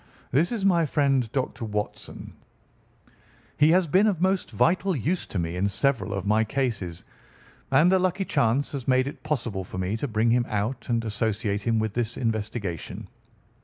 "This is my friend, Dr. Watson. He has been of most vital use to me in several of my cases, and a lucky chance has made it possible for me to bring him out and associate him with this investigation."